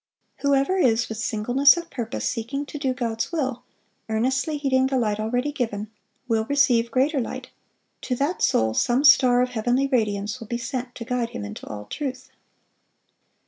(509) Whoever is with singleness of purpose seeking to do God's will, earnestly heeding the light already given, will receive greater light; to that soul some star of heavenly radiance will be sent, to guide him into all truth.